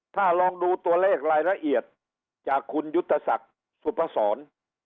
ถ้าลองดูตัวเลขรายละเอียดจากคุณยุตสักสุภาษร